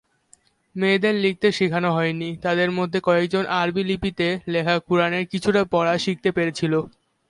মেয়েদের লিখতে শেখানো হয়নি; তাদের মধ্যে কয়েকজন আরবী লিপিতে লেখা কুরআনের কিছুটা পড়া শিখতে পেরেছিল।